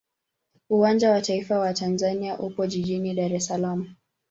Uwanja wa taifa wa Tanzania upo jijini Dar es Salaam.